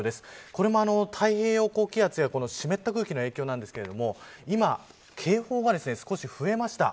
これも太平洋高気圧や湿った空気の影響なんですが今、警報が少し増えました。